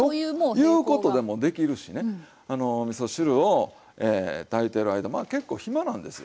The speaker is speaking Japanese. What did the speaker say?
いうことでもできるしねみそ汁を炊いてる間まあ結構暇なんですよ。